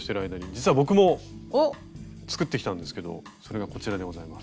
実は僕も作ってきたんですけどそれがこちらでございます。